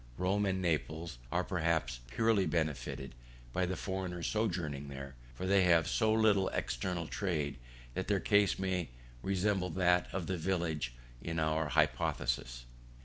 Rome and Naples are perhaps purely benefited by the foreigners sojourning there: for they have so little external trade, that their case may resemble that of the village in our hypothesis.